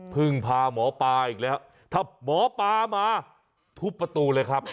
พาหมอปลาอีกแล้วถ้าหมอปลามาทุบประตูเลยครับ